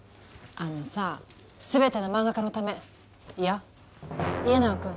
あのさ全ての漫画家のためいやイエナガ君。